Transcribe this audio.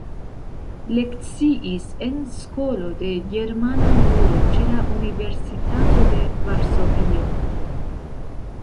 Lekciis en Skolo de Germana Juro ĉe la Universitato de Varsovio.